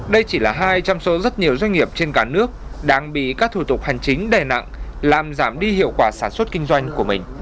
đây chỉ là hai trong số rất nhiều doanh nghiệp trên cả nước đang bị các thủ tục hành chính đè nặng làm giảm đi hiệu quả sản xuất kinh doanh của mình